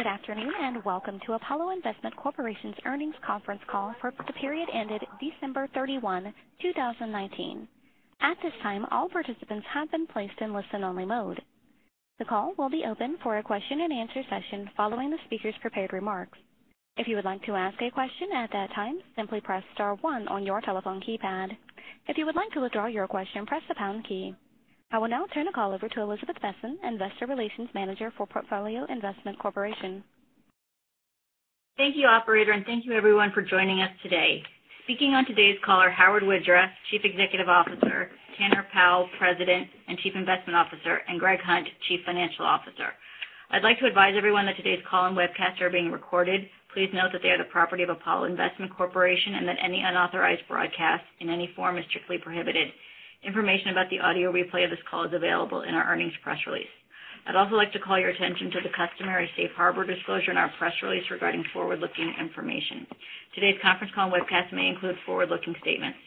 Good afternoon and welcome to Apollo Investment Corporation's Earnings Conference Call for the Period ended December 31, 2019. At this time, all participants have been placed in listen-only mode. The call will be open for a question-and-answer session following the speaker's prepared remarks. If you would like to ask a question at that time, simply press star one on your telephone keypad. If you would like to withdraw your question, press the pound key. I will now turn the call over to Elizabeth Besen, investor relations manager for Apollo Investment Corporation. Thank you, operator, and thank you everyone for joining us today. Speaking on today's call are Howard Widra, Chief Executive Officer, Tanner Powell, President and Chief Investment Officer, and Gregory Hunt, Chief Financial Officer. I'd like to advise everyone that today's call and webcast are being recorded. Please note that they are the property of Apollo Investment Corporation and that any unauthorized broadcast in any form is strictly prohibited. Information about the audio replay of this call is available in our earnings press release. I'd also like to call your attention to the customary safe harbor disclosure in our press release regarding forward-looking information. Today's conference call and webcast may include forward-looking statements.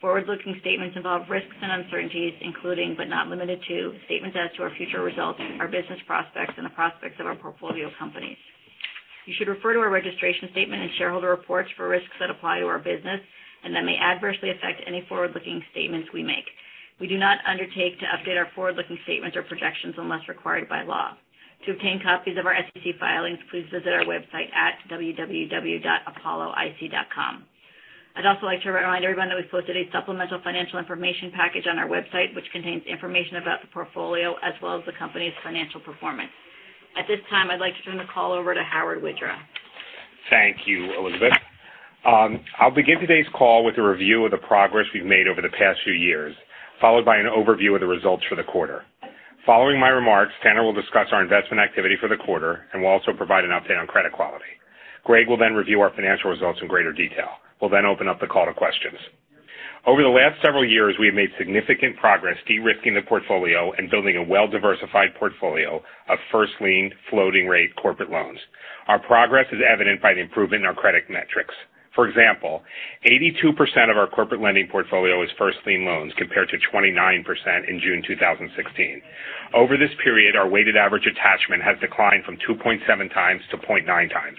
Forward-looking statements involve risks and uncertainties including, but not limited to, statements as to our future results, our business prospects, and the prospects of our portfolio companies. You should refer to our registration statement and shareholder reports for risks that apply to our business and that may adversely affect any forward-looking statements we make. We do not undertake to update our forward-looking statements or projections unless required by law. To obtain copies of our SEC filings, please visit our website at www.apolloic.com. I'd also like to remind everyone that we posted a supplemental financial information package on our website, which contains information about the portfolio as well as the company's financial performance. At this time, I'd like to turn the call over to Howard Widra. Thank you, Elizabeth. I'll begin today's call with a review of the progress we've made over the past few years, followed by an overview of the results for the quarter. Following my remarks, Tanner will discuss our investment activity for the quarter and will also provide an update on credit quality. Greg will review our financial results in greater detail. We'll open up the call to questions. Over the last several years, we have made significant progress de-risking the portfolio and building a well-diversified portfolio of first-lien floating rate corporate loans. Our progress is evident by the improvement in our credit metrics. For example, 82% of our corporate lending portfolio is first-lien loans compared to 29% in June 2016. Over this period, our weighted average attachment has declined from 2.7x to 0.9x.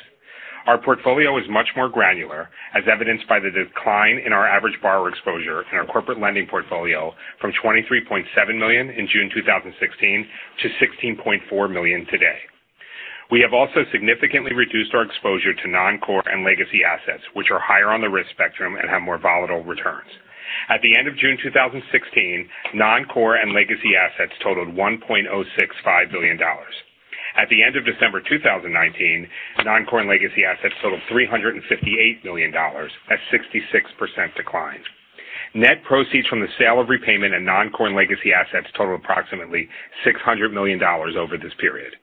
Our portfolio is much more granular, as evidenced by the decline in our average borrower exposure in our corporate lending portfolio from $23.7 million in June 2016 to $16.4 million today. We have also significantly reduced our exposure to non-core and legacy assets, which are higher on the risk spectrum and have more volatile returns. At the end of June 2016, non-core and legacy assets totaled $1.065 billion. At the end of December 2019, non-core and legacy assets totaled $358 million, a 66% decline. Net proceeds from the sale of repayment and non-core and legacy assets totaled approximately $600 million over this period.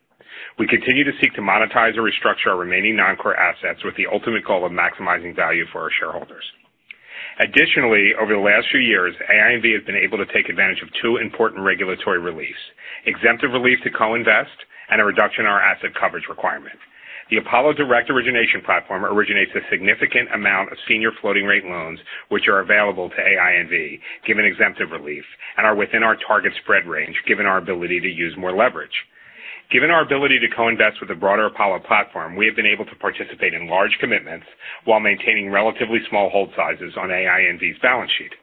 We continue to seek to monetize or restructure our remaining non-core assets with the ultimate goal of maximizing value for our shareholders. Additionally, over the last few years, AINV has been able to take advantage of two important regulatory reliefs, exemptive relief to co-invest and a reduction in our asset coverage requirement. The Apollo direct origination platform originates a significant amount of senior floating rate loans which are available to AINV, given exemptive relief, and are within our target spread range given our ability to use more leverage. Given our ability to co-invest with the broader Apollo platform, we have been able to participate in large commitments while maintaining relatively small hold sizes on AINV's balance sheet.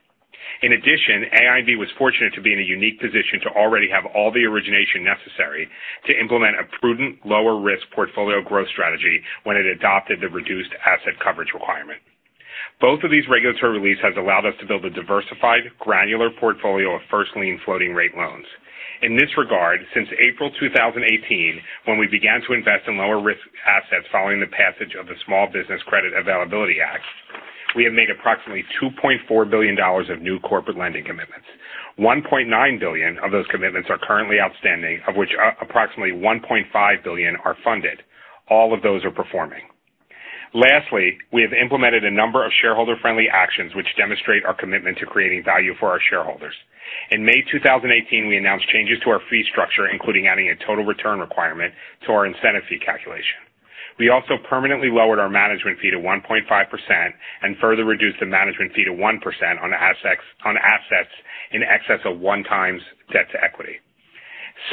In addition, AINV was fortunate to be in a unique position to already have all the origination necessary to implement a prudent lower risk portfolio growth strategy when it adopted the reduced asset coverage requirement. Both of these regulatory reliefs has allowed us to build a diversified, granular portfolio of first lien floating rate loans. In this regard, since April 2018, when we began to invest in lower risk assets following the passage of the Small Business Credit Availability Act, we have made approximately $2.4 billion of new corporate lending commitments. $1.9 billion of those commitments are currently outstanding, of which approximately $1.5 billion are funded. All of those are performing. Lastly, we have implemented a number of shareholder-friendly actions which demonstrate our commitment to creating value for our shareholders. In May 2018, we announced changes to our fee structure, including adding a total return requirement to our incentive fee calculation. We also permanently lowered our management fee to 1.5% and further reduced the management fee to 1% on assets in excess of 1x debt to equity.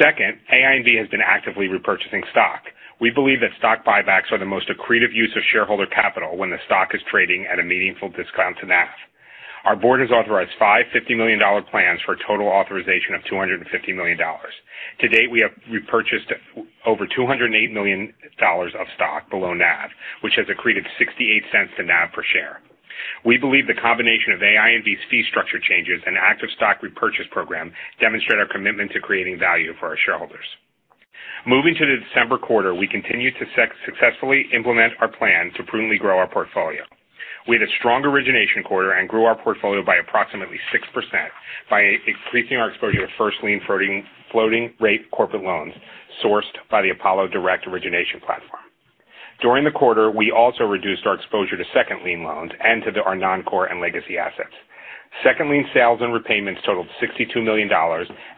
Second, AINV has been actively repurchasing stock. We believe that stock buybacks are the most accretive use of shareholder capital when the stock is trading at a meaningful discount to NAV. Our board has authorized five $50 million plans for a total authorization of $250 million. To date, we have repurchased over $208 million of stock below NAV, which has accreted $0.68 to NAV per share. We believe the combination of AINV's fee structure changes and active stock repurchase program demonstrate our commitment to creating value for our shareholders. Moving to the December quarter, we continued to successfully implement our plan to prudently grow our portfolio. We had a strong origination quarter and grew our portfolio by approximately 6% by increasing our exposure to first lien floating rate corporate loans sourced by the Apollo direct origination platform. During the quarter, we also reduced our exposure to second lien loans and to our non-core and legacy assets. Second lien sales and repayments totaled $62 million,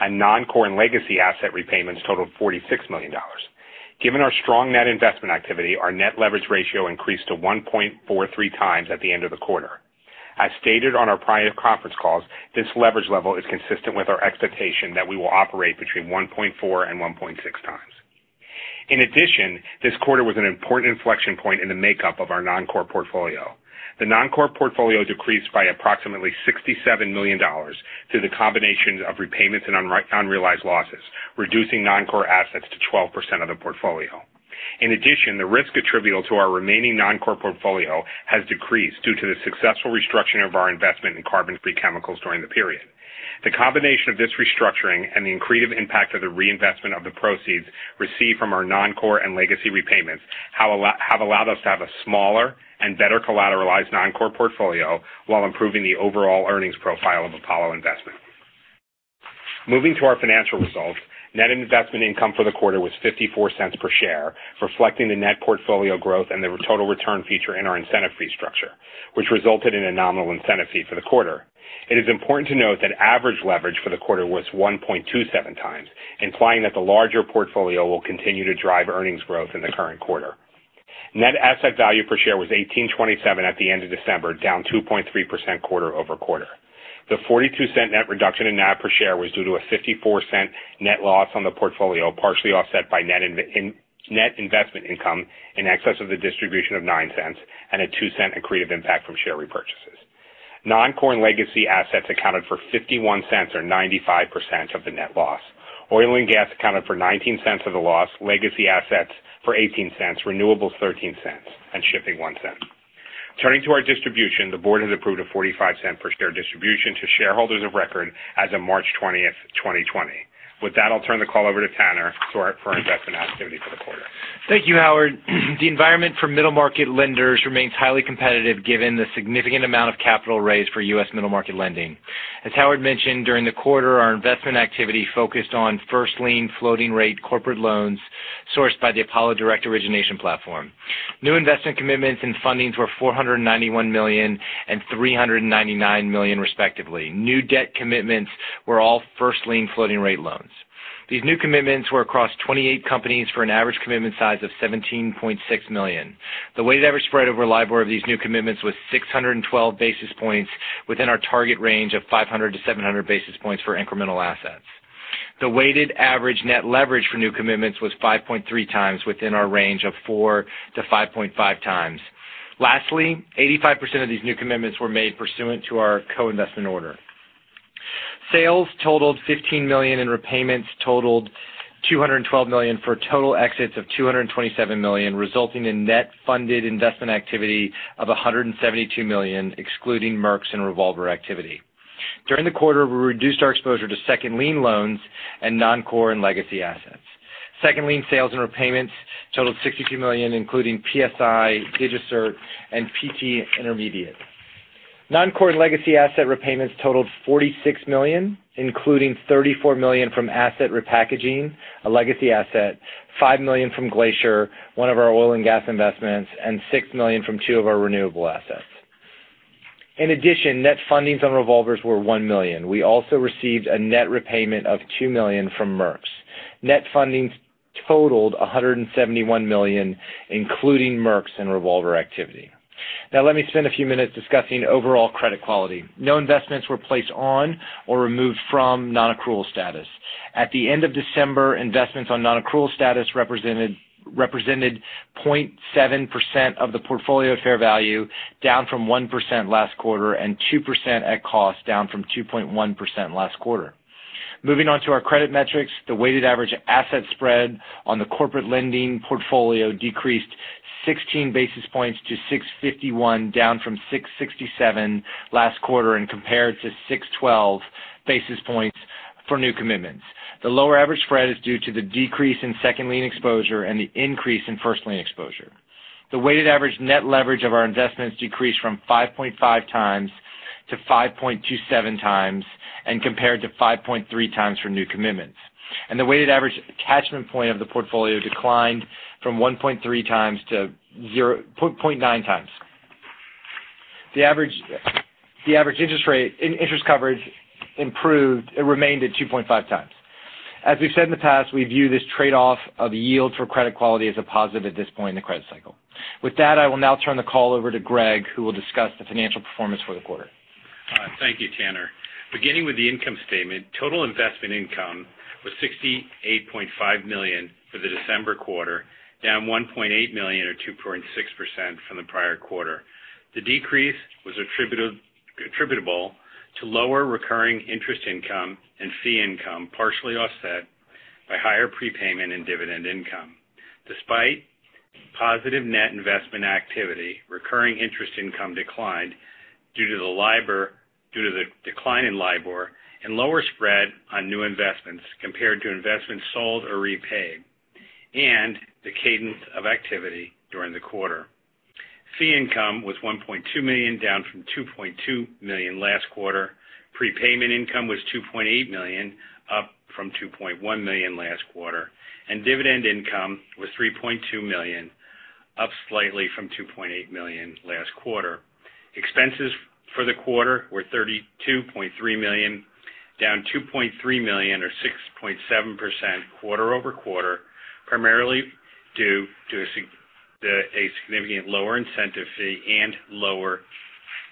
and non-core and legacy asset repayments totaled $46 million. Given our strong net investment activity, our net leverage ratio increased to 1.43x at the end of the quarter. As stated on our prior conference calls, this leverage level is consistent with our expectation that we will operate between 1.4x and 1.6x. In addition, this quarter was an important inflection point in the makeup of our non-core portfolio. The non-core portfolio decreased by approximately $67 million through the combinations of repayments and unrealized losses, reducing non-core assets to 12% of the portfolio. In addition, the risk attributable to our remaining non-core portfolio has decreased due to the successful restructuring of our investment in CarbonFree Chemicals during the period. The combination of this restructuring and the accretive impact of the reinvestment of the proceeds received from our non-core and legacy repayments have allowed us to have a smaller and better collateralized non-core portfolio while improving the overall earnings profile of Apollo Investment. Moving to our financial results, Net Investment Income for the quarter was $0.54 per share, reflecting the net portfolio growth and the total return feature in our incentive fee structure, which resulted in a nominal incentive fee for the quarter. It is important to note that average leverage for the quarter was 1.27x, implying that the larger portfolio will continue to drive earnings growth in the current quarter. Net Asset Value per share was $18.27 at the end of December, down 2.3% quarter-over-quarter. The $0.42 net reduction in NAV per share was due to a $0.54 net loss on the portfolio, partially offset by net investment income in excess of the distribution of $0.09 and a $0.02 accretive impact from share repurchases. Non-core and legacy assets accounted for $0.51, or 95%, of the net loss. Oil and gas accounted for $0.19 of the loss, legacy assets for $0.18, renewables $0.13, and shipping $0.01. Turning to our distribution, the board has approved a $0.45 per share distribution to shareholders of record as of March 20th, 2020. With that, I'll turn the call over to Tanner for our investment activity for the quarter. Thank you, Howard. The environment for middle market lenders remains highly competitive given the significant amount of capital raised for U.S. middle market lending. As Howard mentioned, during the quarter, our investment activity focused on first lien floating rate corporate loans sourced by the Apollo direct origination platform. New investment commitments and fundings were $491 million and $399 million respectively. New debt commitments were all first lien floating rate loans. These new commitments were across 28 companies for an average commitment size of $17.6 million. The weighted average spread over LIBOR of these new commitments was 612 basis points, within our target range of 500-700 basis points for incremental assets. The weighted average net leverage for new commitments was 5.3x, within our range of 4x-5.5x. Lastly, 85% of these new commitments were made pursuant to our co-investment order. Sales totaled $15 million, and repayments totaled $212 million for total exits of $227 million, resulting in net funded investment activity of $172 million, excluding MERC and revolver activity. During the quarter, we reduced our exposure to second lien loans and non-core and legacy assets. Second lien sales and repayments totaled $62 million, including PSI, DigiCert and PT Intermediate. Non-core legacy asset repayments totaled $46 million, including $34 million from asset repackaging, a legacy asset, $5 million from Glacier, one of our oil and gas investments, and $6 million from two of our renewable assets. In addition, net fundings on revolvers were $1 million. We also received a net repayment of $2 million from MERC. Net fundings totaled $171 million, including MERC and revolver activity. Now let me spend a few minutes discussing overall credit quality. No investments were placed on or removed from non-accrual status. At the end of December, investments on non-accrual status represented 0.7% of the portfolio fair value, down from 1% last quarter, and 2% at cost, down from 2.1% last quarter. Moving on to our credit metrics. The weighted average asset spread on the corporate lending portfolio decreased 16 basis points to 651 basis points, down from 667 basis points last quarter and compared to 612 basis points for new commitments. The lower average spread is due to the decrease in second lien exposure and the increase in first lien exposure. The weighted average net leverage of our investments decreased from 5.5x to 5.27x and compared to 5.3x for new commitments. The weighted average attachment point of the portfolio declined from 1.3x to 0.9x. The average interest coverage improved. It remained at 2.5x. As we've said in the past, we view this trade-off of yields for credit quality as a positive at this point in the credit cycle. With that, I will now turn the call over to Greg, who will discuss the financial performance for the quarter. All right. Thank you, Tanner. Beginning with the income statement, total investment income was $68.5 million for the December quarter, down $1.8 million or 2.6% from the prior quarter. The decrease was attributable to lower recurring interest income and fee income, partially offset by higher prepayment and dividend income. Despite positive net investment activity, recurring interest income declined due to the decline in LIBOR and lower spread on new investments compared to investments sold or repaid and the cadence of activity during the quarter. Fee income was $1.2 million, down from $2.2 million last quarter. Prepayment income was $2.8 million, up from $2.1 million last quarter. Dividend income was $3.2 million, up slightly from $2.8 million last quarter. Expenses for the quarter were $32.3 million. Down $2.3 million or 6.7% quarter-over-quarter, primarily due to a significant lower incentive fee and lower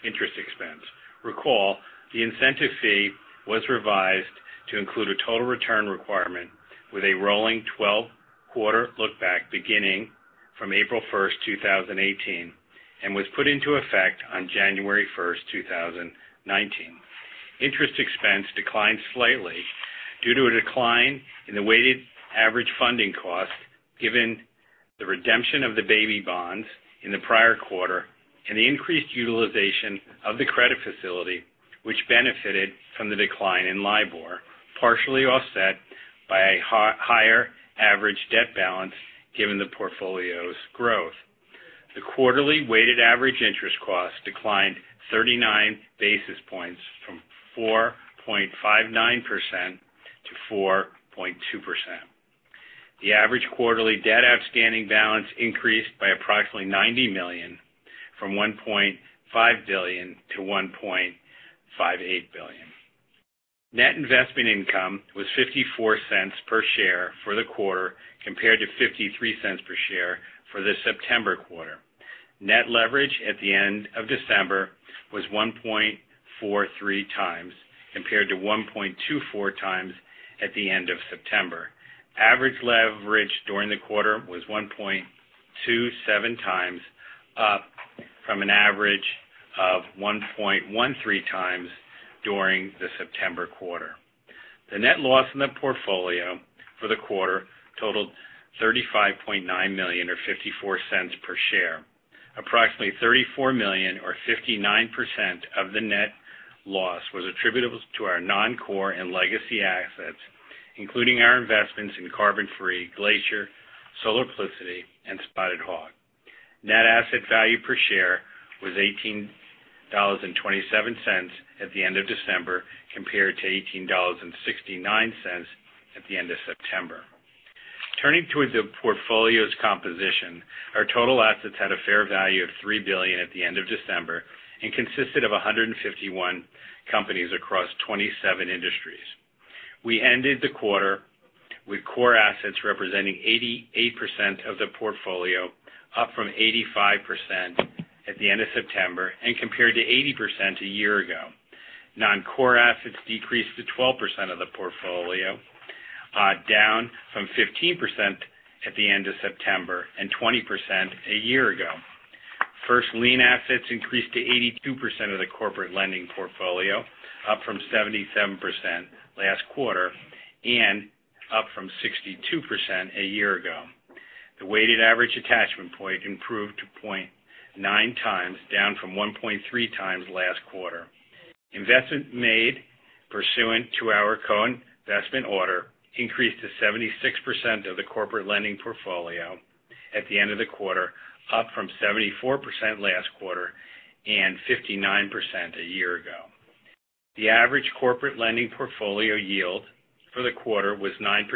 interest expense. Recall, the incentive fee was revised to include a total return requirement with a rolling 12-quarter look back beginning from April 1st, 2018, and was put into effect on January 1st, 2019. Interest expense declined slightly due to a decline in the weighted average funding cost, given the redemption of the baby bonds in the prior quarter and the increased utilization of the credit facility, which benefited from the decline in LIBOR, partially offset by a higher average debt balance given the portfolio's growth. The quarterly weighted average interest cost declined 39 basis points from 4.59% to 4.2%. The average quarterly debt outstanding balance increased by approximately $90 million, from $1.5 billion to $1.58 billion. Net investment income was $0.54 per share for the quarter compared to $0.53 per share for the September quarter. Net leverage at the end of December was 1.43x, compared to 1.24x at the end of September. Average leverage during the quarter was 1.27x, up from an average of 1.13x during the September quarter. The net loss in the portfolio for the quarter totaled $35.9 million, or $0.54 per share. Approximately $34 million or 59% of the net loss was attributable to our non-core and legacy assets, including our investments in CarbonFree, Glacier, Solarplicity, and Spotted Hawk. Net asset value per share was $18.27 at the end of December, compared to $18.69 at the end of September. Turning towards the portfolio's composition, our total assets had a fair value of $3 billion at the end of December and consisted of 151 companies across 27 industries. We ended the quarter with core assets representing 88% of the portfolio, up from 85% at the end of September and compared to 80% a year ago. Non-core assets decreased to 12% of the portfolio, down from 15% at the end of September and 20% a year ago. First lien assets increased to 82% of the corporate lending portfolio, up from 77% last quarter and up from 62% a year ago. The weighted average attachment point improved to 0.9x, down from 1.3x last quarter. Investments made pursuant to our co-investment order increased to 76% of the corporate lending portfolio at the end of the quarter, up from 74% last quarter and 59% a year ago. The average corporate lending portfolio yield for the quarter was 9%,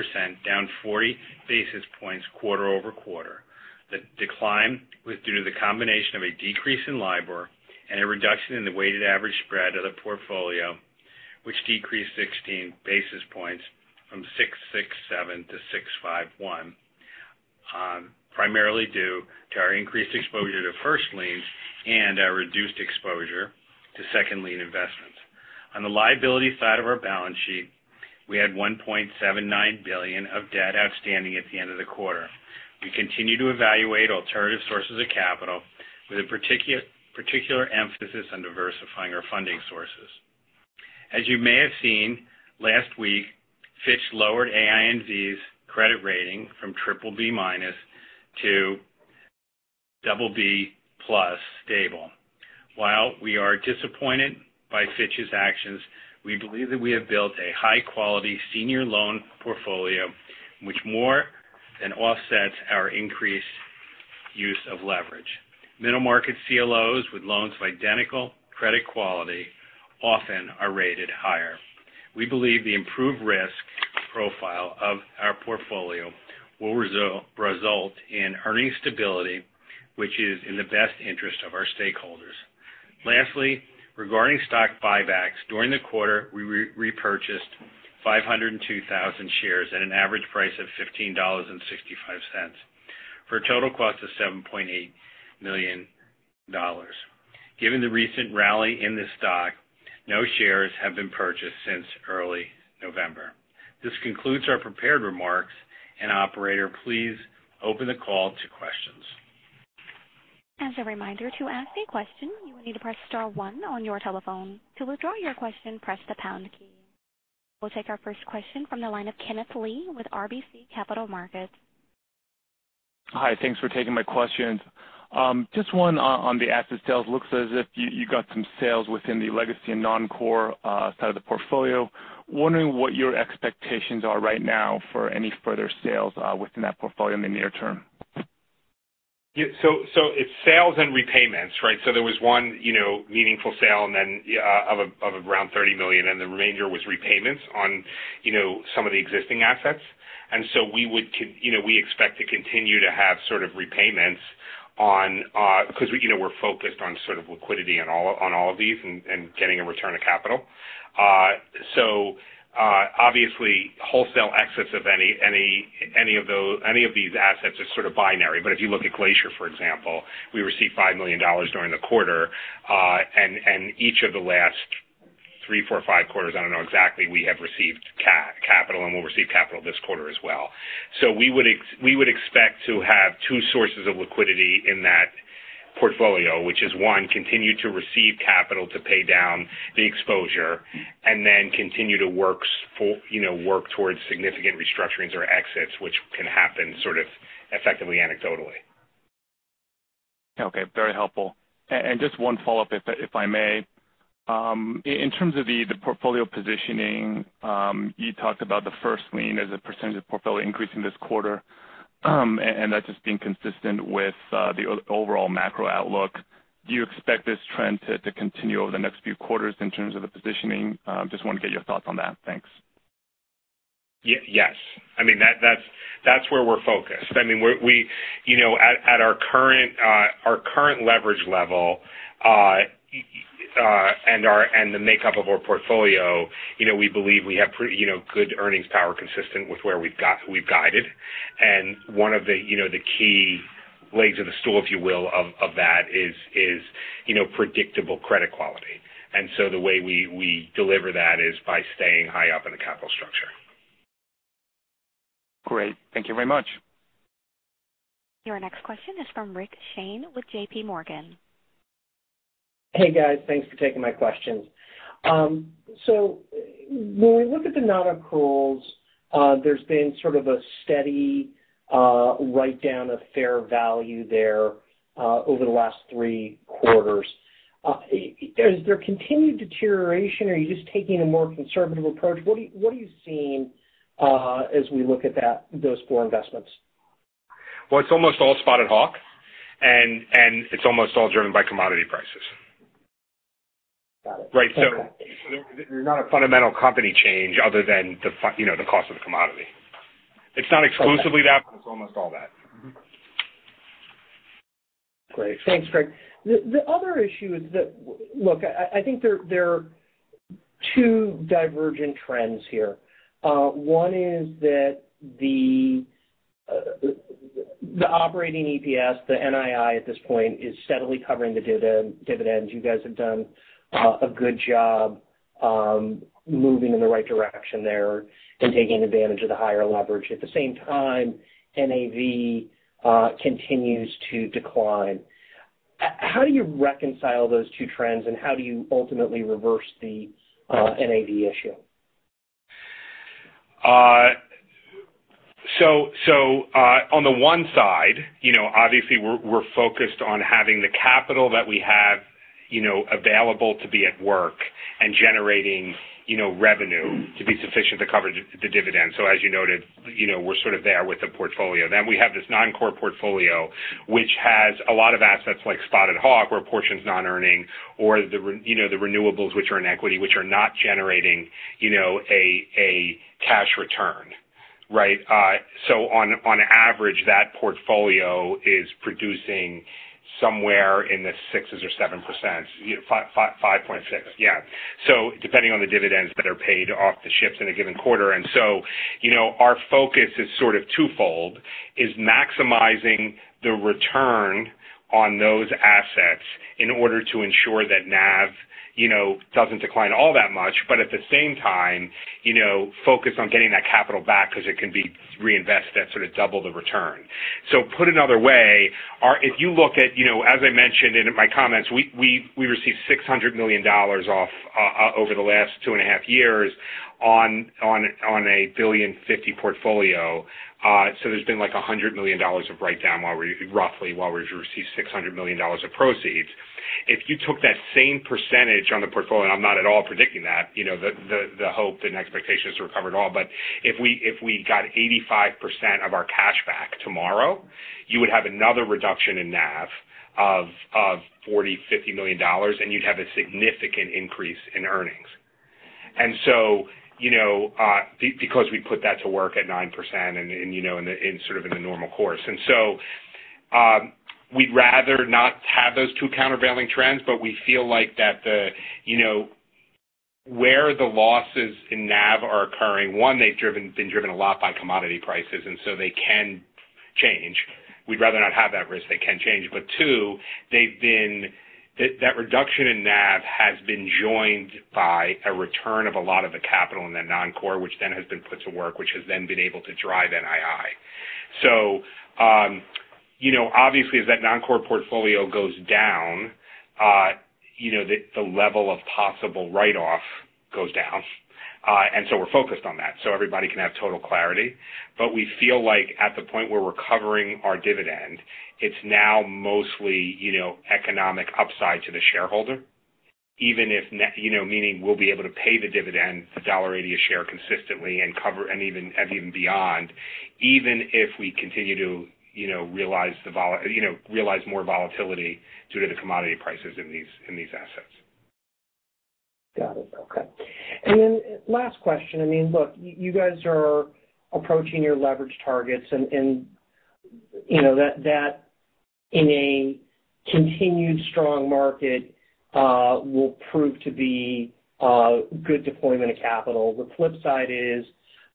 down 40 basis points quarter-over-quarter. The decline was due to the combination of a decrease in LIBOR and a reduction in the weighted average spread of the portfolio, which decreased 16 basis points from 667 basis points to 651 basis points, primarily due to our increased exposure to first liens and our reduced exposure to second lien investments. On the liability side of our balance sheet, we had $1.79 billion of debt outstanding at the end of the quarter. We continue to evaluate alternative sources of capital with a particular emphasis on diversifying our funding sources. As you may have seen last week, Fitch lowered AINV's credit rating from BBB- to BB+ stable. While we are disappointed by Fitch's actions, we believe that we have built a high-quality senior loan portfolio which more than offsets our increased use of leverage. Middle market CLOs with loans of identical credit quality often are rated higher. We believe the improved risk profile of our portfolio will result in earning stability, which is in the best interest of our stakeholders. Lastly, regarding stock buybacks, during the quarter, we repurchased 502,000 shares at an average price of $15.65, for a total cost of $7.8 million. Given the recent rally in the stock, no shares have been purchased since early November. This concludes our prepared remarks. Operator, please open the call to questions. As a reminder, to ask a question, you will need to press star one on your telephone. To withdraw your question, press the pound key. We will take our first question from the line of Kenneth Lee with RBC Capital Markets. Hi. Thanks for taking my questions. Just one on the asset sales. Looks as if you got some sales within the legacy and non-core side of the portfolio. Wondering what your expectations are right now for any further sales within that portfolio in the near term. It's sales and repayments, right? There was one meaningful sale of around $30 million, and the remainder was repayments on some of the existing assets. We expect to continue to have sort of repayments. Because we're focused on sort of liquidity on all of these and getting a return of capital. Obviously, wholesale exits of any of these assets is sort of binary. If you look at Glacier, for example, we received $5 million during the quarter. Each of the last three, four, or five quarters, I don't know exactly, we have received capital, and we'll receive capital this quarter as well. We would expect to have two sources of liquidity in that portfolio, which is one, continue to receive capital to pay down the exposure, and then continue to work towards significant restructurings or exits, which can happen sort of effectively anecdotally. Okay. Very helpful. Just one follow-up, if I may. In terms of the portfolio positioning, you talked about the first lien as a percentage of portfolio increase in this quarter, and that just being consistent with the overall macro outlook. Do you expect this trend to continue over the next few quarters in terms of the positioning? Just want to get your thoughts on that. Thanks. Yes. I mean, that's where we're focused. I mean, at our current leverage level, and the makeup of our portfolio, we believe we have good earnings power consistent with where we've guided. One of the key legs of the stool, if you will, of that is predictable credit quality. The way we deliver that is by staying high up in the capital structure. Great. Thank you very much. Your next question is from Rick Shane with JPMorgan. Hey, guys. Thanks for taking my questions. When we look at the non-accruals, there's been sort of a steady write-down of fair value there over the last three quarters. Is there continued deterioration, or are you just taking a more conservative approach? What are you seeing as we look at those four investments? Well, it's almost all Spotted Hawk, and it's almost all driven by commodity prices. Got it. Okay. Right. There's not a fundamental company change other than the cost of the commodity. It's not exclusively that, but it's almost all that. Great. Thanks, Greg. Look, I think there are two divergent trends here. One is that the operating EPS, the NII at this point is steadily covering the dividends. You guys have done a good job moving in the right direction there and taking advantage of the higher leverage. At the same time, NAV continues to decline. How do you reconcile those two trends, and how do you ultimately reverse the NAV issue? On the one side, obviously we're focused on having the capital that we have available to be at work and generating revenue to be sufficient to cover the dividend. As you noted, we're sort of there with the portfolio. We have this non-core portfolio, which has a lot of assets like Spotted Hawk, where a portion is non-earning, or the renewables which are in equity, which are not generating a cash return. Right? On average, that portfolio is producing somewhere in the 6% or 7%. 5.6%. 5.6%. Depending on the dividends that are paid off the ships in a given quarter. Our focus is sort of twofold. Maximizing the return on those assets in order to ensure that NAV doesn't decline all that much, but at the same time focus on getting that capital back because it can be reinvested at sort of double the return. Put another way, if you look at, as I mentioned in my comments, we received $600 million over the last two and a half years on a $1.05 billion portfolio. There's been like $100 million of write-down roughly while we've received $600 million of proceeds. If you took that same percentage on the portfolio, I'm not at all predicting that, the hope and expectation is to recover it all. If we got 85% of our cash back tomorrow, you would have another reduction in NAV of $40 million, $50 million, and you'd have a significant increase in earnings. Because we put that to work at 9% and sort of in the normal course. We'd rather not have those two countervailing trends, but we feel like that where the losses in NAV are occurring, one, they've been driven a lot by commodity prices, and so they can change. We'd rather not have that risk. They can change. Two, that reduction in NAV has been joined by a return of a lot of the capital in the non-core, which then has been put to work, which has then been able to drive NII. Obviously, as that non-core portfolio goes down, the level of possible write-off goes down. We're focused on that so everybody can have total clarity. We feel like at the point where we're covering our dividend, it's now mostly economic upside to the shareholder. Meaning we'll be able to pay the dividend, the $1.80 a share consistently and even beyond, even if we continue to realize more volatility due to the commodity prices in these assets. Got it. Okay. Last question. Look, you guys are approaching your leverage targets, and that in a continued strong market will prove to be good deployment of capital. The flip side is,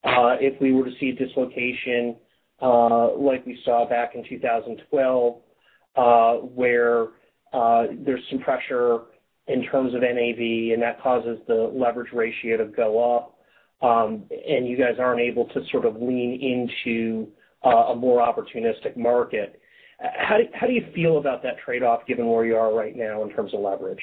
if we were to see a dislocation like we saw back in 2012, where there's some pressure in terms of NAV, and that causes the leverage ratio to go up, and you guys aren't able to sort of lean into a more opportunistic market. How do you feel about that trade-off, given where you are right now in terms of leverage?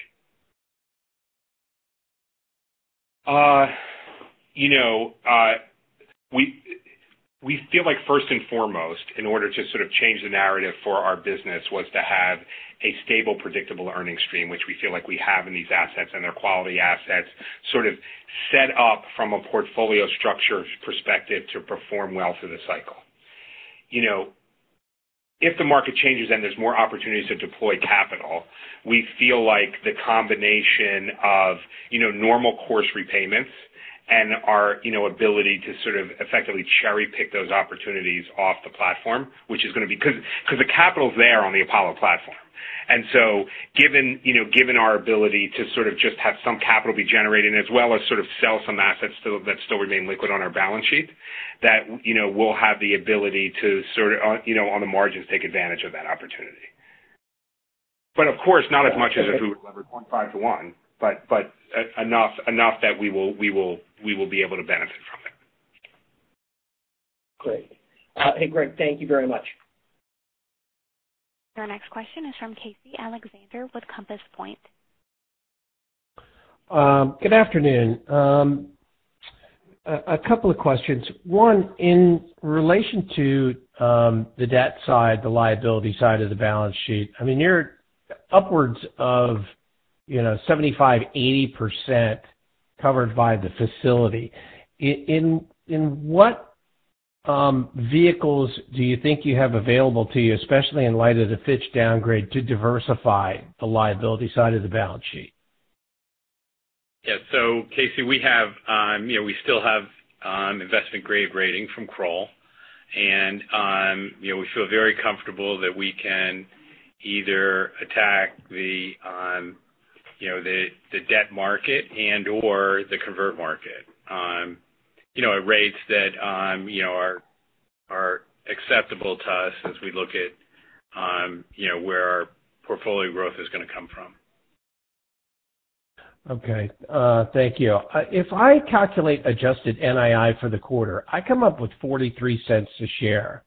We feel like first and foremost, in order to sort of change the narrative for our business, was to have a stable, predictable earnings stream, which we feel like we have in these assets, and they're quality assets sort of set up from a portfolio structure perspective to perform well through the cycle. If the market changes, and there's more opportunities to deploy capital, we feel like the combination of normal course repayments and our ability to sort of effectively cherry-pick those opportunities off the platform, because the capital's there on the Apollo platform. Given our ability to sort of just have some capital be generated, as well as sort of sell some assets that still remain liquid on our balance sheet, that we'll have the ability to sort of, on the margins, take advantage of that opportunity. Of course, not as much as if we were levered 0.5x-1x, but enough that we will be able to benefit from it. Great. Hey, Greg, thank you very much. Our next question is from Casey Alexander with Compass Point. Good afternoon. A couple of questions. One, in relation to the debt side, the liability side of the balance sheet, you're upwards of 75%, 80% covered by the facility. In what vehicles do you think you have available to you, especially in light of the Fitch downgrade, to diversify the liability side of the balance sheet? Yeah. Casey, we still have investment-grade rating from Kroll, and we feel very comfortable that we can either attack the debt market and/or the convert market at rates that are acceptable to us as we look at where our portfolio growth is going to come from. Okay. Thank you. If I calculate adjusted NII for the quarter, I come up with $0.43 a share.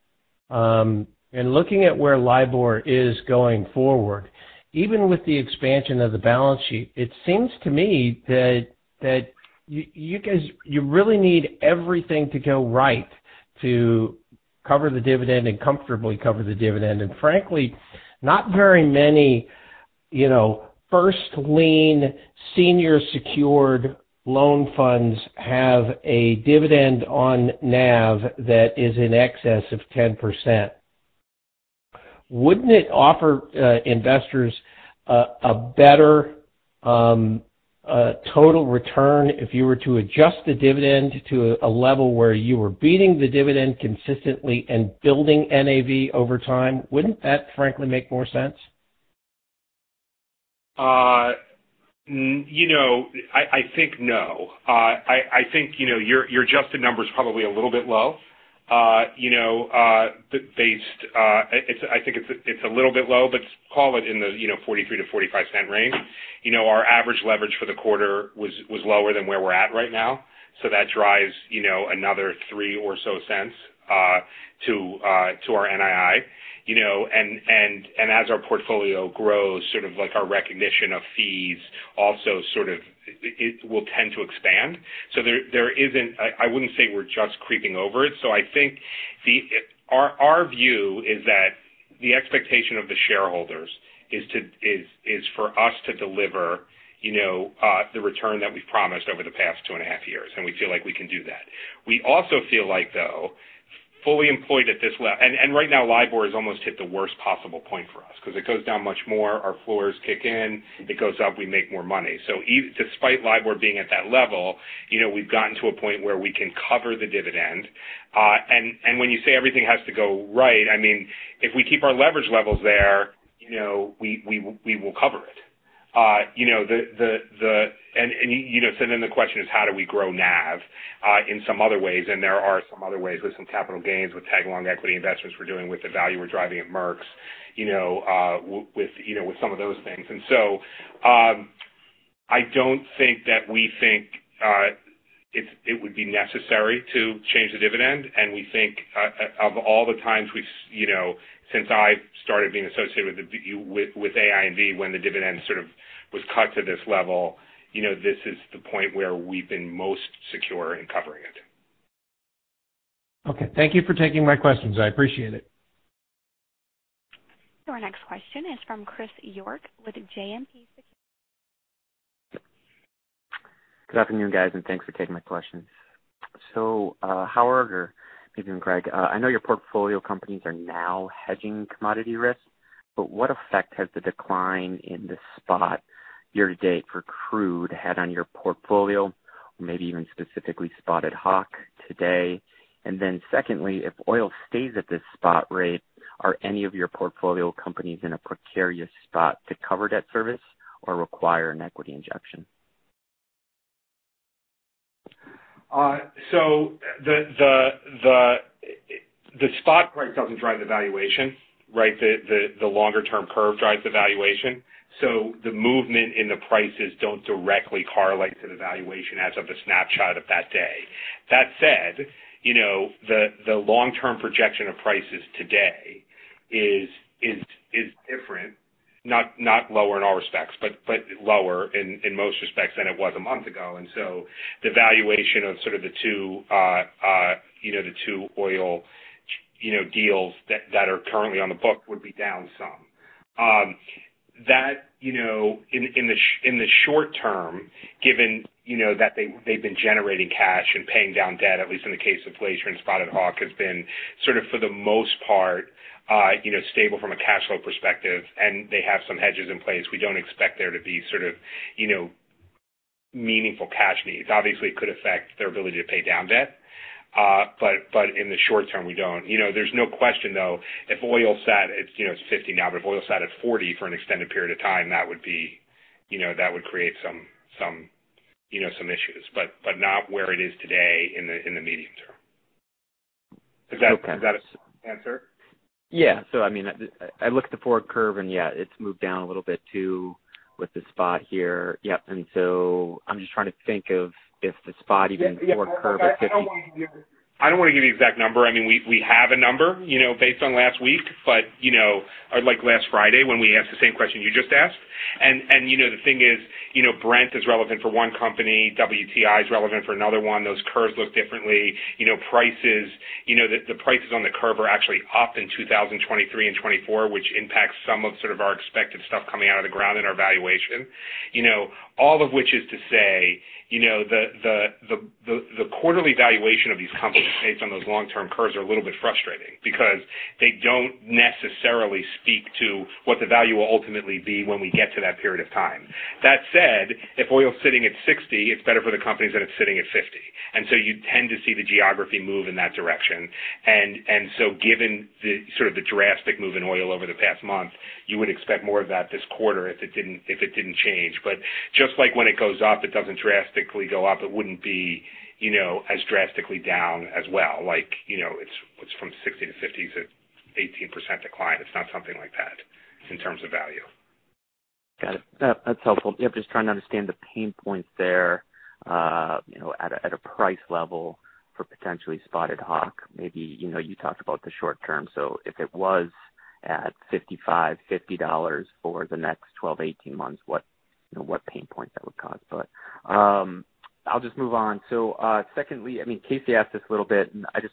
Looking at where LIBOR is going forward, even with the expansion of the balance sheet, it seems to me that you really need everything to go right to cover the dividend and comfortably cover the dividend. Frankly, not very many first-lien senior secured loan funds have a dividend on NAV that is in excess of 10%. Wouldn't it offer investors a better total return if you were to adjust the dividend to a level where you were beating the dividend consistently and building NAV over time? Wouldn't that frankly make more sense? I think no. I think your adjusted number's probably a little bit low. I think it's a little bit low, but call it in the $0.43-$0.45 range. Our average leverage for the quarter was lower than where we're at right now. That drives another $0.03 or so to our NII. As our portfolio grows, sort of like our recognition of fees also sort of will tend to expand. There isn't. I wouldn't say we're just creeping over it. I think our view is that the expectation of the shareholders is for us to deliver the return that we've promised over the past two and a half years, and we feel like we can do that. We also feel like, though, fully employed at this level. Right now, LIBOR has almost hit the worst possible point for us because it goes down much more, our floors kick in. It goes up, we make more money. Despite LIBOR being at that level, we've gotten to a point where we can cover the dividend. When you say everything has to go right, if we keep our leverage levels there, we will cover it. Then the question is, how do we grow NAV in some other ways? There are some other ways with some capital gains, with tag-along equity investments we're doing with the value we're driving at MERC, with some of those things. So, I don't think that we think it would be necessary to change the dividend. We think of all the times since I started being associated with AINV when the dividend sort of was cut to this level, this is the point where we've been most secure in covering it. Okay. Thank you for taking my questions. I appreciate it. Our next question is from Chris York with JMP Securities. Good afternoon, guys, and thanks for taking my questions. Howard or maybe even Greg, I know your portfolio companies are now hedging commodity risks, but what effect has the decline in the spot year to date for crude had on your portfolio, or maybe even specifically Spotted Hawk today? Secondly, if oil stays at this spot rate, are any of your portfolio companies in a precarious spot to cover debt service or require an equity injection? The spot price doesn't drive the valuation, right? The longer-term curve drives the valuation. The movement in the prices don't directly correlate to the valuation as of the snapshot of that day. That said, the long-term projection of prices today is different, not lower in all respects, but lower in most respects than it was a month ago. The valuation of sort of the two oil deals that are currently on the book would be down some. That, in the short term, given that they've been generating cash and paying down debt, at least in the case of Glacier and Spotted Hawk, has been sort of for the most part, stable from a cash flow perspective, and they have some hedges in place. We don't expect there to be sort of meaningful cash needs. Obviously, it could affect their ability to pay down debt. In the short term, we don't. There's no question, though, if oil sat at $50 now, but if oil sat at $40 for an extended period of time, that would create some issues. Not where it is today in the medium term. Okay. Is that an answer? Yeah. I mean, I look at the forward curve and yeah, it's moved down a little bit too with the spot here. Yep. I'm just trying to think of if the spot even forward curve at $50- I don't want to give you an exact number. I mean, we have a number based on last week. Like last Friday when we asked the same question you just asked, the thing is, Brent is relevant for one company, WTI is relevant for another one. Those curves look differently. The prices on the curve are actually up in 2023 and 2024, which impacts some of sort of our expected stuff coming out of the ground in our valuation. All of which is to say, the quarterly valuation of these companies based on those long-term curves are a little bit frustrating because they don't necessarily speak to what the value will ultimately be when we get to that period of time. That said, if oil's sitting at $60, it's better for the companies than it's sitting at $50. You tend to see the geography move in that direction. Given the sort of the drastic move in oil over the past month, you would expect more of that this quarter if it didn't change. Just like when it goes up, it doesn't drastically go up. It wouldn't be as drastically down as well. Like, it's from $60 to $50, it's an 18% decline. It's not something like that in terms of value. Got it. That's helpful. Yep, just trying to understand the pain point there at a price level for potentially Spotted Hawk, maybe. You talked about the short term, so if it was at $55, $50 for the next 12, 18 months, what pain point that would cause. I'll just move on. Secondly, I mean, Casey asked this a little bit and it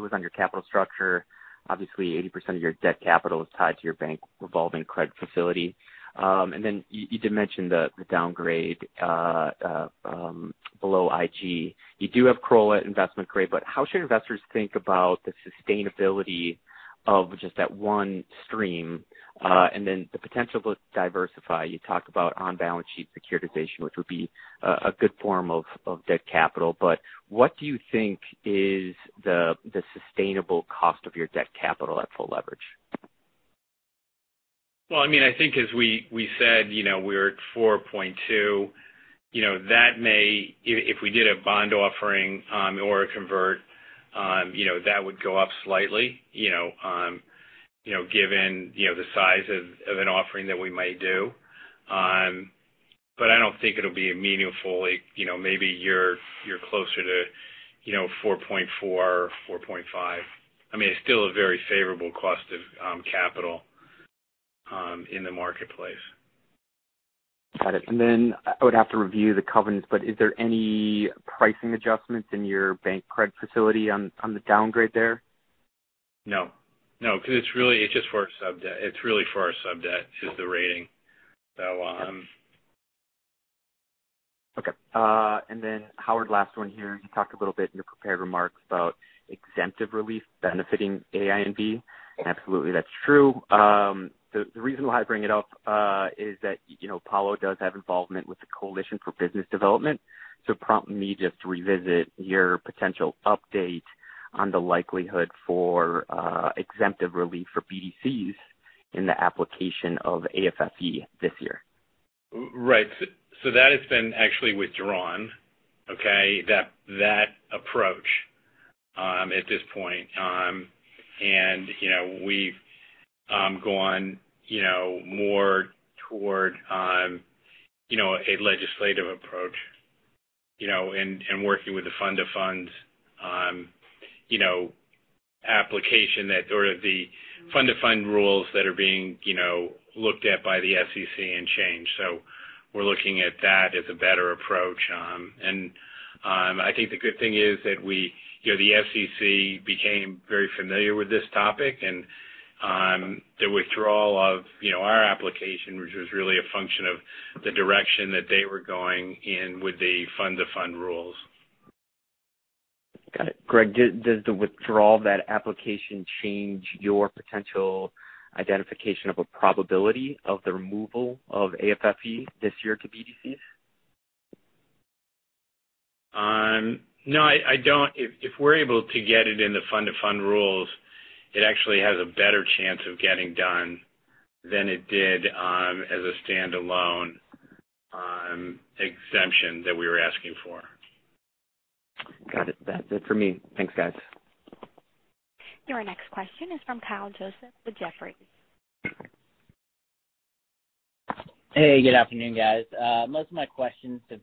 was on your capital structure. Obviously, 80% of your debt capital is tied to your bank revolving credit facility. You did mention the downgrade below IG. You do have corporate investment grade, but how should investors think about the sustainability of just that one stream? The potential to diversify. You talk about on-balance sheet securitization, which would be a good form of debt capital. What do you think is the sustainable cost of your debt capital at full leverage? Well, I mean, I think as we said, we're at 4.2x. If we did a bond offering or a convert, that would go up slightly, given the size of an offering that we might do. I don't think it'll be a meaningful. Maybe you're closer to 4.4%, 4.5%. I mean, it's still a very favorable cost of capital in the marketplace. Got it. Then I would have to review the covenants, but is there any pricing adjustments in your bank credit facility on the downgrade there? No. No, because it's really for our sub-debt, just the rating. Okay. Howard, last one here. You talked a little bit in your prepared remarks about exemptive relief benefiting A, I, and B. Absolutely, that's true. The reason why I bring it up is that Apollo does have involvement with the Coalition for Business Development. It prompted me just to revisit your potential update on the likelihood for exemptive relief for BDCs in the application of AFFE this year. Right. That has been actually withdrawn, okay, that approach at this point. We've gone more toward a legislative approach and working with the fund-to-fund application that sort of the fund-to-fund rules that are being looked at by the SEC and changed. We're looking at that as a better approach. I think the good thing is that the SEC became very familiar with this topic and on the withdrawal of our application, which was really a function of the direction that they were going in with the fund-to-fund rules. Got it. Greg, does the withdrawal of that application change your potential identification of a probability of the removal of AFFE this year to BDCs? No, I don't. If we're able to get it in the fund-to-fund rules, it actually has a better chance of getting done than it did as a standalone exemption that we were asking for. Got it. That's it for me. Thanks, guys. Your next question is from Kyle Joseph with Jefferies. Hey, good afternoon, guys. Most of my questions have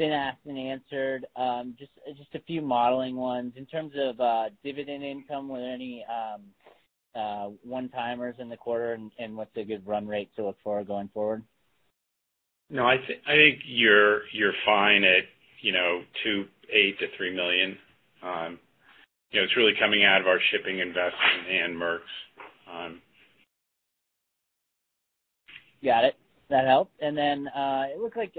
been asked and answered. Just a few modeling ones. In terms of dividend income, were there any one-timers in the quarter, and what's a good run rate to look for going forward? No, I think you're fine at $2.8 million-$3 million. It's really coming out of our shipping investment and Maersk. Got it. That helps. It looked like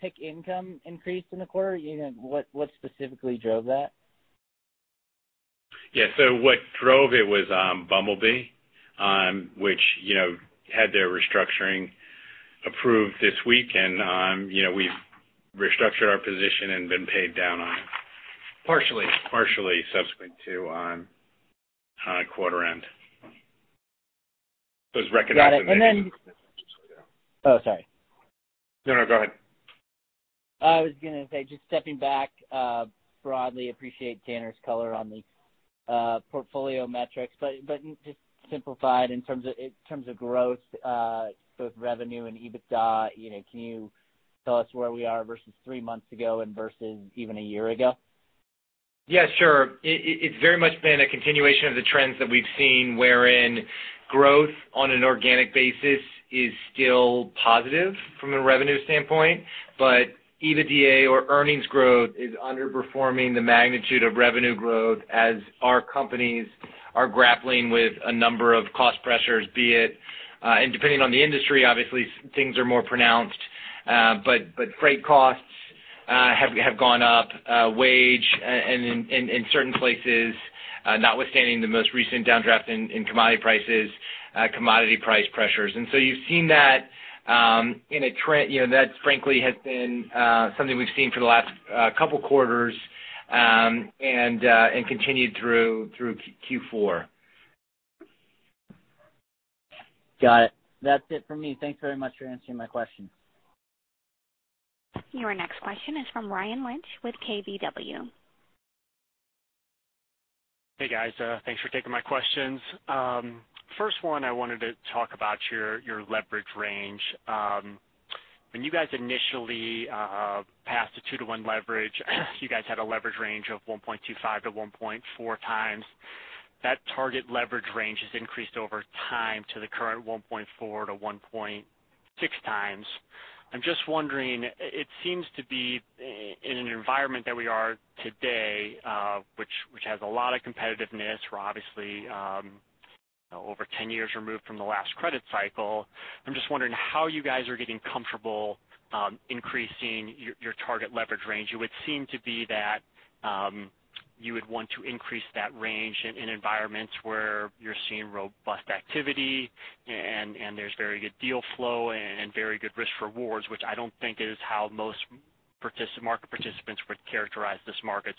PIK income increased in the quarter. What specifically drove that? Yeah. What drove it was Bumble Bee, which had their restructuring approved this week, and we've restructured our position and been paid down on it. Partially. Partially subsequent to quarter end. It was recognized. Got it. Oh, sorry. No, no, go ahead. I was going to say, just stepping back broadly, appreciate Tanner's color on the portfolio metrics. Just simplified in terms of growth, both revenue and EBITDA, can you tell us where we are versus three months ago and versus even a year ago? Yeah, sure. It's very much been a continuation of the trends that we've seen wherein growth on an organic basis is still positive from a revenue standpoint, but EBITDA or earnings growth is underperforming the magnitude of revenue growth as our companies are grappling with a number of cost pressures. Depending on the industry, obviously, things are more pronounced. Freight costs have gone up, wage in certain places, notwithstanding the most recent downdraft in commodity prices, commodity price pressures. You've seen that in a trend that frankly has been something we've seen for the last couple of quarters, and continued through Q4. Got it. That's it for me. Thanks very much for answering my questions. Your next question is from Ryan Lynch with KBW. Hey, guys. Thanks for taking my questions. First one, I wanted to talk about your leverage range. When you guys initially passed a 2 to 1 leverage, you guys had a leverage range of 1.25x-1.4x. That target leverage range has increased over time to the current 1.4x-1.6x. I'm just wondering, it seems to be in an environment that we are today, which has a lot of competitiveness. We're obviously over 10 years removed from the last credit cycle. I'm just wondering how you guys are getting comfortable increasing your target leverage range. It would seem to be that you would want to increase that range in environments where you're seeing robust activity, and there's very good deal flow and very good risk rewards, which I don't think is how most market participants would characterize this market.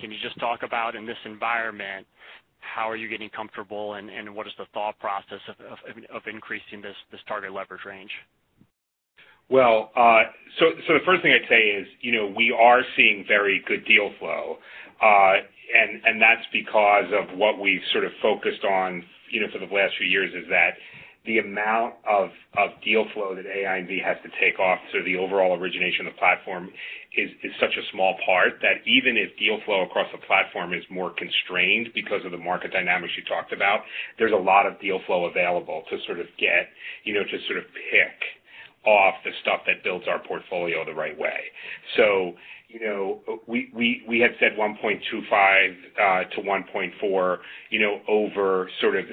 Can you just talk about in this environment, how are you getting comfortable, and what is the thought process of increasing this target leverage range? Well, the first thing I'd say is, we are seeing very good deal flow, and that's because of what we've sort of focused on for the last few years, is that the amount of deal flow that AINV has to take off. The overall origination of the platform is such a small part that even if deal flow across the platform is more constrained because of the market dynamics you talked about, there's a lot of deal flow available to sort of pick off the stuff that builds our portfolio the right way. We had said 1.25x-1.4x over sort of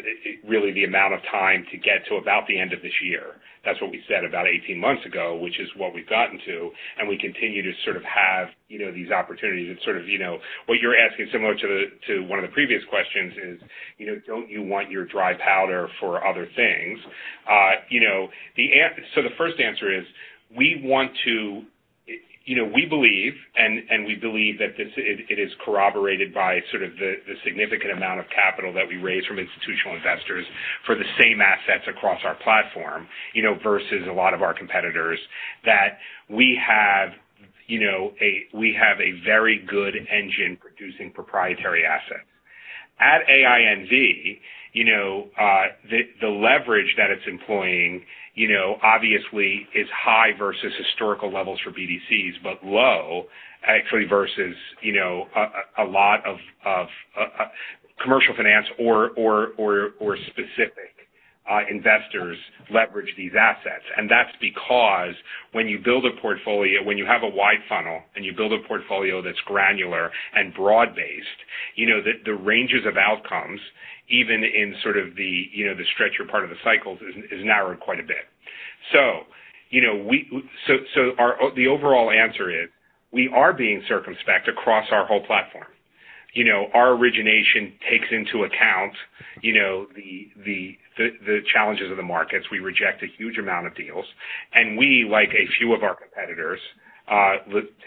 really the amount of time to get to about the end of this year. That's what we said about 18 months ago, which is what we've gotten to, and we continue to sort of have these opportunities. Sort of what you're asking, similar to one of the previous questions is, don't you want your dry powder for other things? The first answer is, we believe, and we believe that it is corroborated by sort of the significant amount of capital that we raise from institutional investors for the same assets across our platform versus a lot of our competitors, that we have a very good engine producing proprietary assets. At AINV, the leverage that it's employing obviously is high versus historical levels for BDCs, but low actually versus a lot of commercial finance or specific investors leverage these assets. That's because when you build a portfolio, when you have a wide funnel, and you build a portfolio that's granular and broad-based, the ranges of outcomes, even in sort of the stretchier part of the cycles is narrowed quite a bit. The overall answer is, we are being circumspect across our whole platform. Our origination takes into account the challenges of the markets. We reject a huge amount of deals, and we, like a few of our competitors,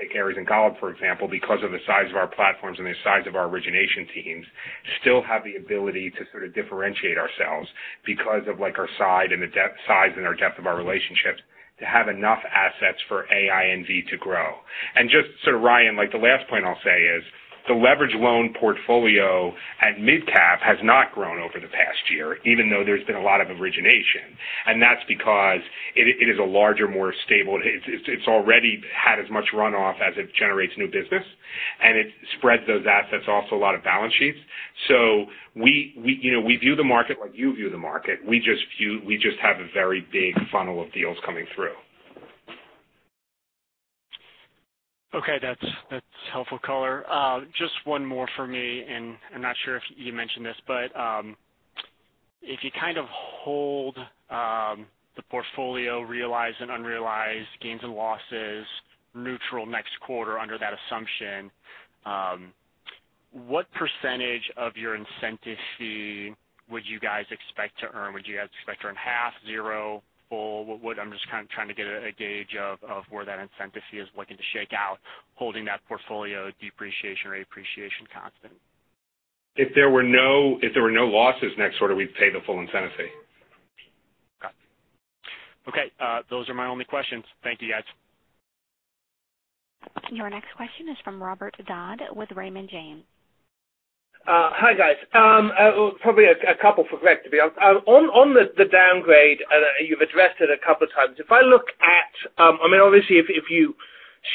take Ares and Golub, for example, because of the size of our platforms and the size of our origination teams, still have the ability to sort of differentiate ourselves because of our size and our depth of our relationships to have enough assets for AINV to grow. Just sort of, Ryan, the last point I'll say is the leverage loan portfolio at MidCap has not grown over the past year, even though there's been a lot of origination. That's because it is a larger, more stable It's already had as much runoff as it generates new business, and it spreads those assets also a lot of balance sheets. We view the market like you view the market. We just have a very big funnel of deals coming through. Okay. That's helpful color. Just one more for me, and I'm not sure if you mentioned this, but if you kind of hold the portfolio realized and unrealized gains and losses neutral next quarter under that assumption, what percentage of your incentive fee would you guys expect to earn? Would you guys expect to earn half, zero, full? I'm just trying to get a gauge of where that incentive fee is looking to shake out, holding that portfolio depreciation or appreciation constant. If there were no losses next quarter, we'd pay the full incentive fee. Got it. Okay. Those are my only questions. Thank you, guys. Your next question is from Robert Dodd with Raymond James. Hi, guys. Probably a couple for Greg. On the downgrade, you've addressed it a couple of times. Obviously, if you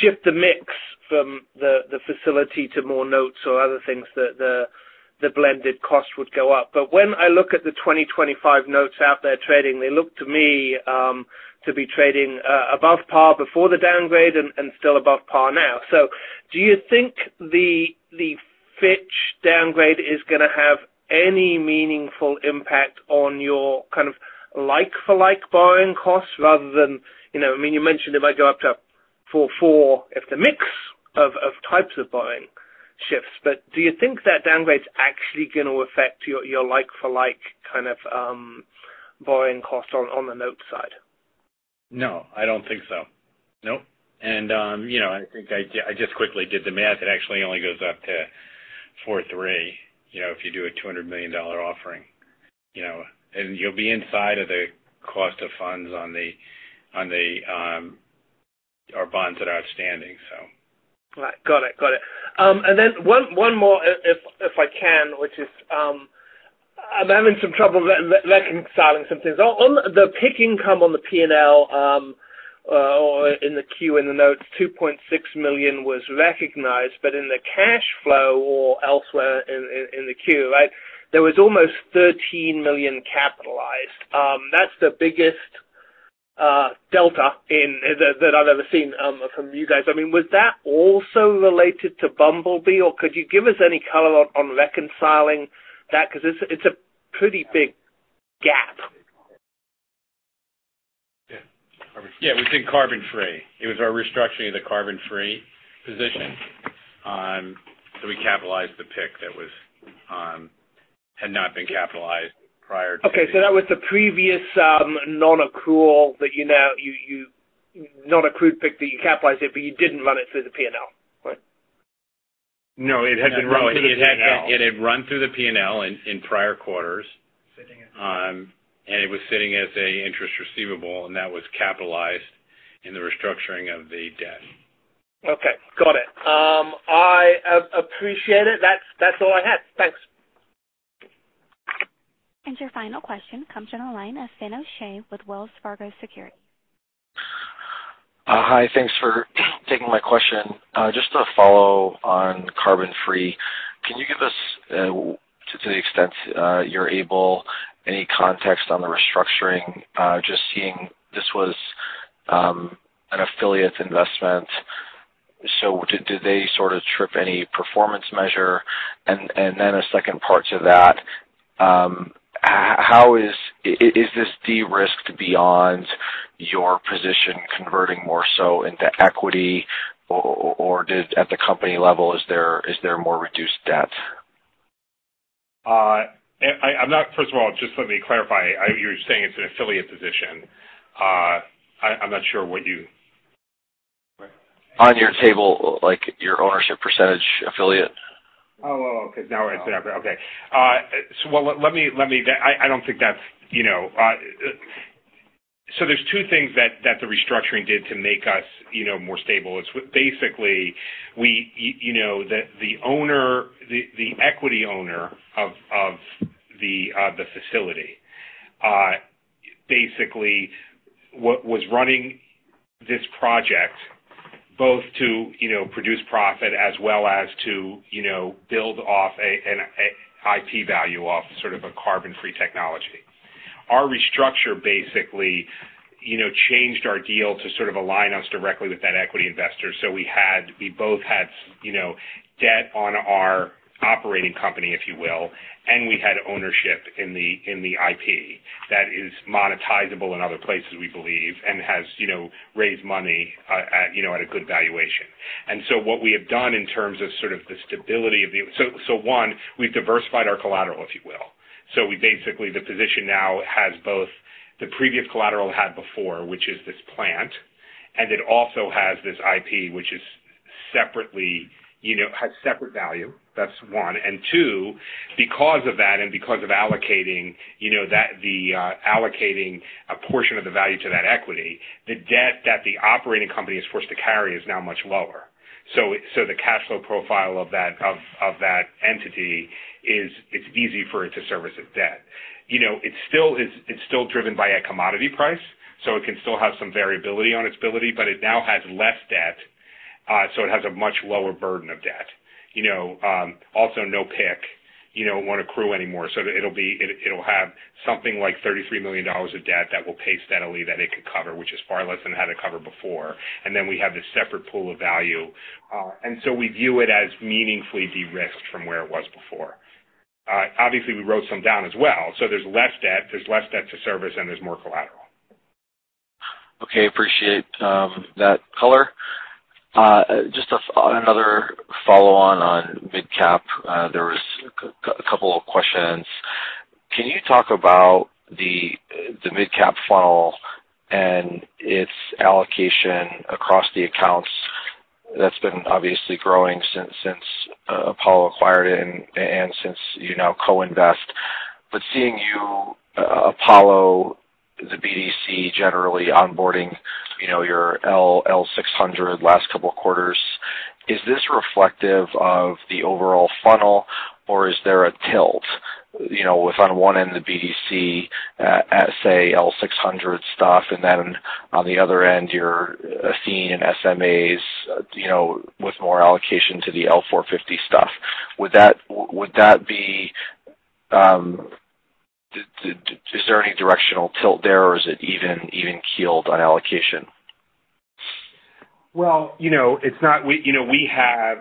shift the mix from the facility to more notes or other things, the blended cost would go up. When I look at the 2025 notes out there trading, they look to me to be trading above par before the downgrade and still above par now. Do you think the Fitch downgrade is going to have any meaningful impact on your kind of like-for-like borrowing costs? You mentioned it might go up to four if the mix of types of borrowing shifts, but do you think that downgrade is actually going to affect your like-for-like kind of borrowing costs on the note side? No, I don't think so. No. I just quickly did the math. It actually only goes up to four, three if you do a $200 million offering. You'll be inside of the cost of funds on our bonds that are outstanding. Right. Got it. Then one more if I can, which is I'm having some trouble reconciling some things. On the PIK income on the P&L, or in the Q in the notes, $2.6 million was recognized, but in the cash flow or elsewhere in the Q, there was almost $13 million capitalized. That's the biggest delta that I've ever seen from you guys. Was that also related to Bumble Bee, or could you give us any color on reconciling that? Because it's a pretty big gap. Yeah. It was in CarbonFree. It was our restructuring of the CarbonFree position. We capitalized the PIK that had not been capitalized. That was the previous non-accrued PIK that you capitalized it, but you didn't run it through the P&L, right? No, it had been run through the P&L. It had run through the P&L in prior quarters. Sitting as- It was sitting as an interest receivable, and that was capitalized in the restructuring of the debt. Okay. Got it. I appreciate it. That's all I had. Thanks. Your final question comes on the line of Finian O'Shea with Wells Fargo Securities. Hi. Thanks for taking my question. Just to follow on CarbonFree, can you give us, to the extent you're able, any context on the restructuring? Just seeing this was an affiliate investment. Did they sort of trip any performance measure? Then a second part to that, is this de-risked beyond your position converting more so into equity, or at the company level, is there more reduced debt? First of all, just let me clarify. You're saying it's an affiliate position. I'm not sure what you On your table, like your ownership percentage affiliate. Oh, okay. Now I understand. Okay. I don't think that's so there's two things that the restructuring did to make us more stable. Basically, the equity owner of the facility basically was running this project both to produce profit as well as to build off an IP value off sort of a CarbonFree technology. Our restructure basically changed our deal to sort of align us directly with that equity investor. We both had debt on our operating company, if you will, and we had ownership in the IP that is monetizable in other places, we believe, and has raised money at a good valuation. What we have done in terms of sort of the stability of the so one, we've diversified our collateral, if you will. Basically, the position now has both the previous collateral it had before, which is this plant, and it also has this IP, which has separate value. That's one. Two, because of that and because of allocating a portion of the value to that equity, the debt that the operating company is forced to carry is now much lower. The cash flow profile of that entity is, it's easy for it to service its debt. It's still driven by a commodity price, so it can still have some variability on its ability, but it now has less debt, so it has a much lower burden of debt. Also, no PIK won't accrue anymore. It'll have something like $33 million of debt that will pay steadily that it could cover, which is far less than it had to cover before. Then we have this separate pool of value. So we view it as meaningfully de-risked from where it was before. Obviously, we wrote some down as well, so there's less debt to service, and there's more collateral. Okay. Appreciate that color. Just another follow-on on MidCap. There was a couple of questions. Can you talk about the MidCap funnel and its allocation across the accounts? That's been obviously growing since Apollo acquired it and since you now co-invest. Seeing you, Apollo, the BDC generally onboarding your L600 last couple of quarters, is this reflective of the overall funnel, or is there a tilt with on one end, the BDC at, say, L600 stuff, and then on the other end, your Athene and SMAs with more allocation to the L450 stuff. Is there any directional tilt there, or is it even keeled on allocation? We have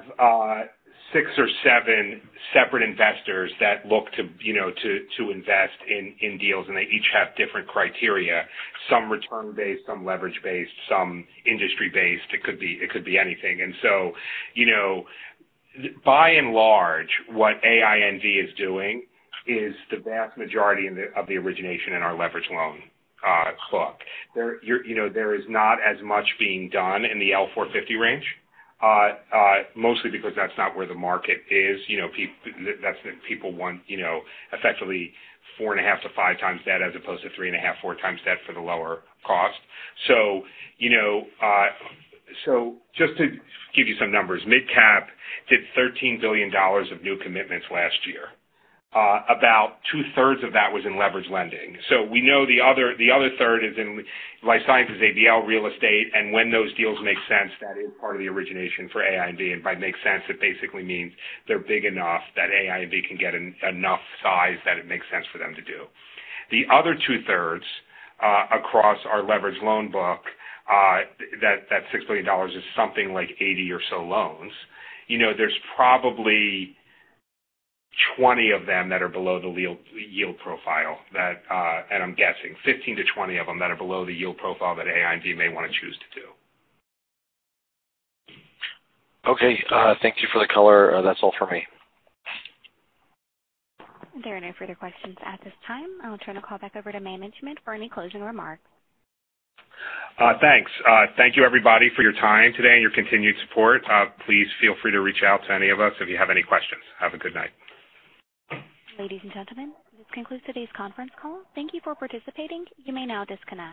six or seven separate investors that look to invest in deals, and they each have different criteria. Some return-based, some leverage-based, some industry-based. It could be anything. By and large, what AINV is doing is the vast majority of the origination in our leverage loan book. There is not as much being done in the L450 range mostly because that's not where the market is. People want effectively 4.5x-5x debt as opposed to 3.5x-4x debt for the lower cost. Just to give you some numbers. MidCap did $13 billion of new commitments last year. About two-thirds of that was in leverage lending. We know the other third is in life sciences, ABL, real estate, and when those deals make sense, that is part of the origination for AINV. By makes sense, it basically means they're big enough that AINV can get enough size that it makes sense for them to do. The other two-thirds across our leverage loan book, that $6 billion is something like 80 or so loans. There's probably 20 of them that are below the yield profile, and I'm guessing 15-20 of them that are below the yield profile that AINV may want to choose to do. Okay. Thank you for the color. That's all for me. There are no further questions at this time. I'll turn the call back over to management for any closing remarks. Thanks. Thank you, everybody, for your time today and your continued support. Please feel free to reach out to any of us if you have any questions. Have a good night. Ladies and gentlemen, this concludes today's conference call. Thank you for participating. You may now disconnect.